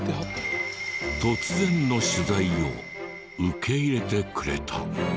突然の取材を受け入れてくれた。